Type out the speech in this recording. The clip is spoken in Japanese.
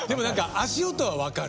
足音分かる。